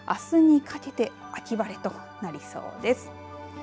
あすにかけて秋晴れとなりそうです。